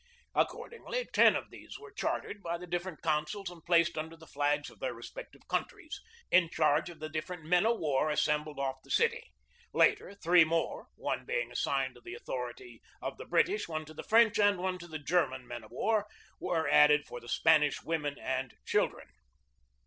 Accordingly, ten of these were chartered by the different consuls and placed under the flags of their respective countries, in charge of the different men of war assembled off the city. Later, three more, one being assigned to the author ity of the British, one to the French, and one to the German men of war, were added for the Spanish women and children.